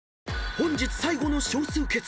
［本日最後の少数決］